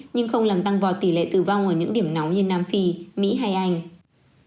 nhưng không làm tăng vọt tỷ lệ tử vong ở những điểm nóng như nam phi mỹ hay anh